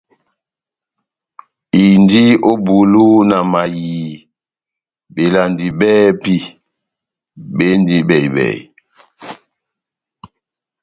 Indi ó bulu na mayiii belandi bɛ́hɛ́pi bendi bɛhi-bɛhi.